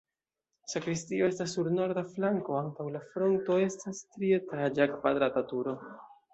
Sakristio estas sur norda flanko, antaŭ la fronto estas trietaĝa kvadrata turo.